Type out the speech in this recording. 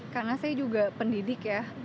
karena saya juga pendidik ya